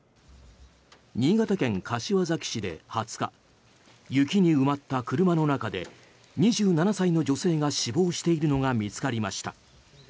新潟県柏崎市で２０日雪に埋まった車の中で２７歳の女性が死亡しているのが見つかりました。